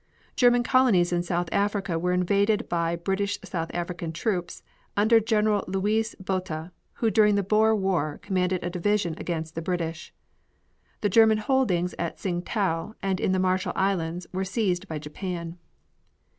German colonies in South Africa were invaded by British South African troops under General Louis Botha, who during the Boer War commanded a division against the British. The German holdings at Tsing Tau and in the Marshall Islands were seized by Japan.